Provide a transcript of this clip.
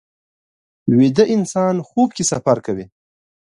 ویده انسان خوب کې سفر کوي